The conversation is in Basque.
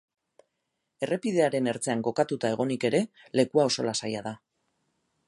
Errepidearen ertzean kokatuta egonik ere, lekua oso lasaia da.